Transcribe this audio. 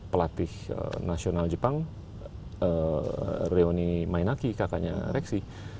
pelatih nasional jepang reoni mainaki kakaknya reksi